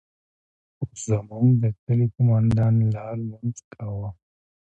خو زموږ د کلي قومندان لا لمونځ کاوه.